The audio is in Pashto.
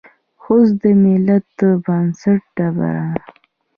خوست د ملت د بنسټ ډبره ده.